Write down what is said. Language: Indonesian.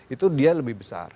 itu dia lebih besar